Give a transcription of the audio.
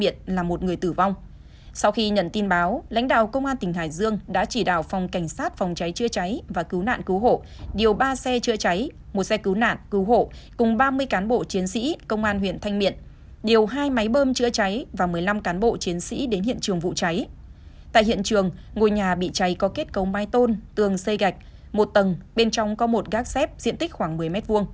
trên hiện trường ngôi nhà bị cháy có kết cấu mái tôn tường xây gạch một tầng bên trong có một gác xép diện tích khoảng một mươi m hai